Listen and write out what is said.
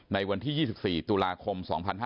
ในวันที่๒๔ตุลาคม๒๕๕๙